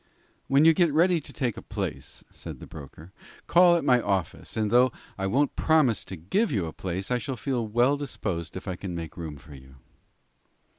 "When you get ready to take a place," said the broker, "call at my office, and though I won't promise to give you a place, I shall feel well disposed to if I can make room for you."